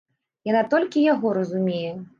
Яна толькі яго разумее.